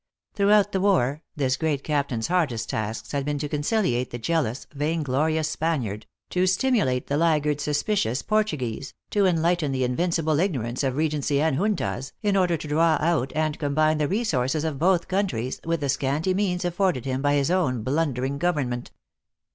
Throughout the war this great captain s hardest tasks had been to conciliate the jealous, vain glorious Spaniard, to stimulate the laggard suspicious Portu guese, to enlighten the invincible ignorance of Re gency and Juntas, in order to draw out and combine the resources of both countries with the scanty means afforded him by his own blundering government.